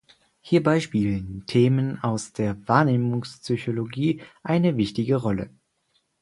Hierbei spielen Themen aus der Wahrnehmungspsychologie eine wichtige Rolle.